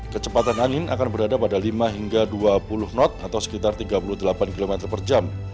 kecepatan angin akan berada pada lima hingga dua puluh knot atau sekitar tiga puluh delapan km per jam